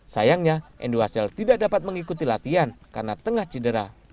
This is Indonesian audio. sayangnya enduasel tidak dapat mengikuti latihan karena tengah cedera